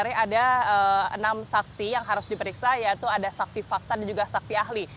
ada enam saksi yang harus diperiksa yaitu ada saksi fakta dan juga saksi ahli